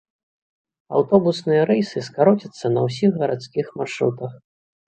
Аўтобусныя рэйсы скароцяцца на ўсіх гарадскіх маршрутах.